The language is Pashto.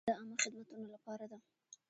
مالیه د عامه خدمتونو لپاره ده.